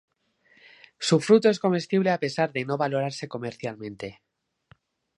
Su fruto es comestible a pesar de no valorarse comercialmente.